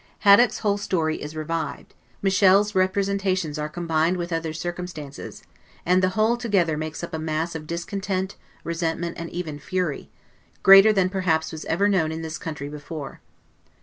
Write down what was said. Haddock's whole story is revived; Michel's representations are combined with other circumstances; and the whole together makes up a mass of discontent, resentment, and even fury, greater than perhaps was ever known in this country before.